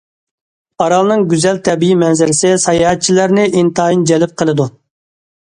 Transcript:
ئارالنىڭ گۈزەل تەبىئىي مەنزىرىسى ساياھەتچىلەرنى ئىنتايىن جەلپ قىلىدۇ.